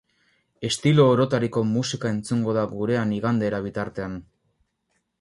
Estilo orotariko musika entzungo da gurean igandera bitartean.